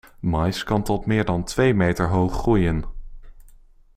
Maïs kan tot meer dan twee meter hoog groeien.